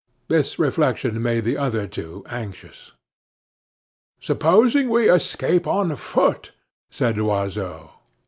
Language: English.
This reflection made the other two anxious. "Supposing we escape on foot?" said Loiseau.